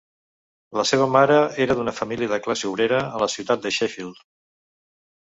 La seva mare era d'una família de classe obrera a la ciutat de Sheffield.